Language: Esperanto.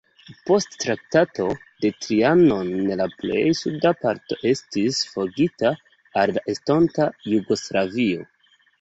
Post Traktato de Trianon la plej suda parto estis forigita al la estonta Jugoslavio.